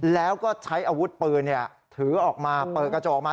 แล้วก็ใช้อาวุธปืนถือออกมาเปิดกระจกออกมา